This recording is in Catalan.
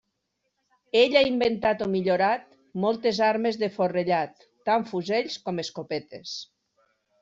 Ell ha inventat o millorat moltes armes de forrellat, tant fusells com escopetes.